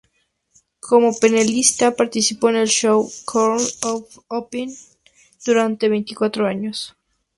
Como panelista participó en el show "Court of Opinion" durante veinticuatro años.